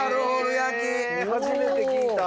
初めて聞いた！